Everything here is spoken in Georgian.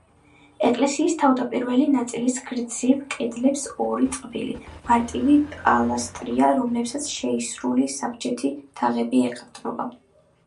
ეკლესიის თავდაპირველი ნაწილის გრძივ კედლებზე ორი წყვილი, მარტივი პილასტრია, რომლებსაც შეისრული საბჯენი თაღები ეყრდნობა.